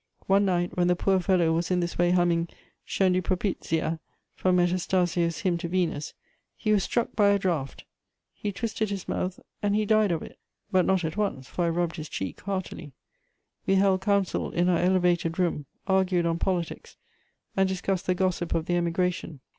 One night when the poor fellow was in this way humming Scendi propizia from Metastasio's Hymn to Venus, he was struck by a draught; he twisted his mouth, and he died of it, but not at once, for I rubbed his cheek heartily. We held counsel in our elevated room, argued on politics, and discussed the gossip of the Emigration.